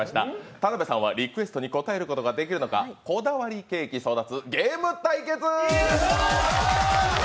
田辺さんはリクエストに応えることができるのか、こだわりケーキ争奪ゲーム対決！